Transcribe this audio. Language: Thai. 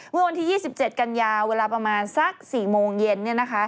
เมื่อวันที่๒๗กันยาเวลาประมาณสัก๔โมงเย็น